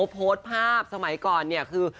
โพสต์ภาพสมัยก่อนเนี่ยคือ